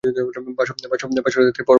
বাসর রাতের পর বলি?